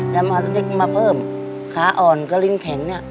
แล้วมันต้องได้กินมาเพิ่มขาอ่อนก็ริ้งแข็งเนี่ย